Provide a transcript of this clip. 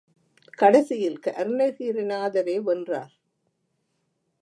கடைசியில் அருணகிரிநாதரே வென்றார்.